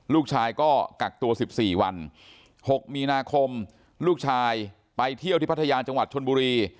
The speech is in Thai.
ลูกชายก็กักตัว๑๔วัน๖มีนาคมลูกชายไปเที่ยวที่พัทยาจังหวัดชนบุรี